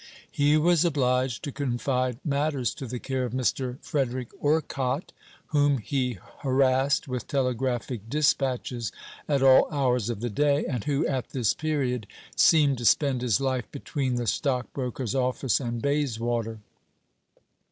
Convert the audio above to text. He was obliged to confide matters to the care of Mr. Frederick Orcott, whom he harassed with telegraphic despatches at all hours of the day, and who at this period seemed to spend his life between the stockbroker's office and Bayswater.